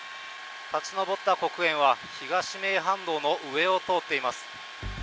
立ち上った黒煙は東名阪道の上を通っています。